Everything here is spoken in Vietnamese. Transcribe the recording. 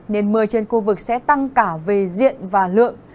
nên mưa trên khu vực sẽ tăng cả về diện và lượng